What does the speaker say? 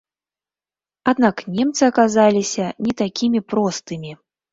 Аднак немцы аказаліся не такімі простымі.